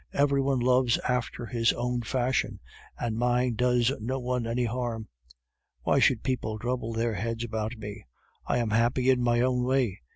Every one loves after his own fashion, and mine does no one any harm; why should people trouble their heads about me? I am happy in my own way.